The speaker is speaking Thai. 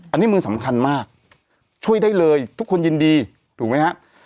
อันนี้มือสำคัญมากช่วยได้เลยทุกคนยินดีถูกไหมฮะ